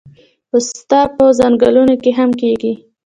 پسته په ځنګلونو کې هم کیږي